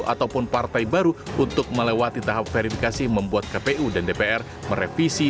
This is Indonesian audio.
ataupun partai baru untuk melewati tahap verifikasi membuat kpu dan dpr merevisi